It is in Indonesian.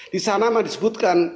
di sana disebutkan